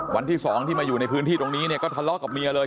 วันที่๒ที่มาอยู่ในพื้นที่ตรงนี้เนี่ยก็ทะเลาะกับเมียเลย